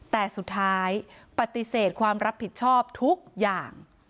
แต่สุดท้ายปฏิเสธความรับผิดชอบทุกอย่าง